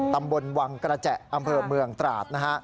ตำบลวังกระแจอำเภอเมืองตราดนะฮะ